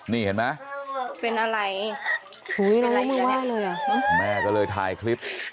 นี่เห็นมั้ยเป็นอะไรแม่ก็เลยถ่ายคลิป